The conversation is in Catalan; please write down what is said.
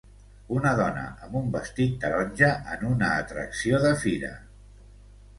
Una dona amb un vestit taronja en una atracció de fira.